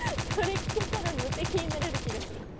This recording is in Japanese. それ聞けたら無敵になれる気がする。